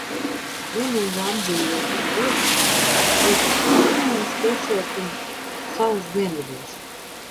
Vienīgā apdzīvotā vieta ir Gununas pilsētiņa salas dienvidos.